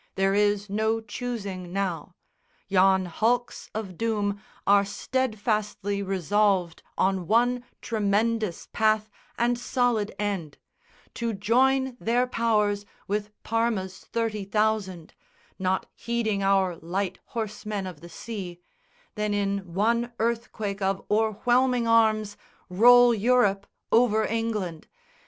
There is no choosing now. Yon hulks of doom are steadfastly resolved On one tremendous path and solid end To join their powers with Parma's thirty thousand (Not heeding our light horsemen of the sea), Then in one earthquake of o'erwhelming arms Roll Europe over England.